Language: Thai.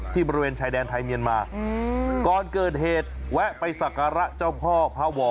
บริเวณชายแดนไทยเมียนมาก่อนเกิดเหตุแวะไปสักการะเจ้าพ่อพระวอ